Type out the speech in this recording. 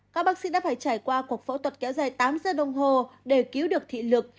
các bác sĩ đã phải trải qua cuộc phẫu thuật kéo dài tám giờ đồng hồ để cứu được thị lực